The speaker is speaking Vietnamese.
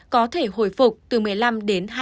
có thể hồi phục từ một mươi năm đến hai mươi